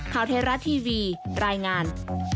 ข่าวเทราะห์ทีวีรายงาน